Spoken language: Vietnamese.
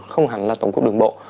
không hẳn là tổng cục đực bộ